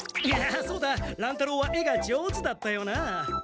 いやそうだ乱太郎は絵が上手だったよなあ。